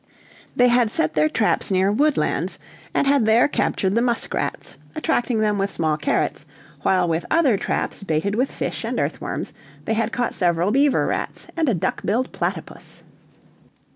They had set their traps near Woodlands, and had there captured the muskrats, attracting them with small carrots, while with other traps, baited with fish and earth worms, they had caught several beaver rats, and a duck billed platypus.